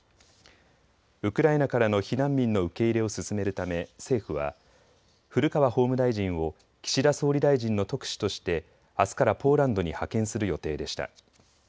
ウクライナからの避難民の受け入れを進めるため政府は古川法務大臣を岸田総理大臣の特使としてあすからポーランドに派遣する予定でした。